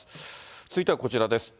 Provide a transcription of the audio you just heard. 続いてはこちらです。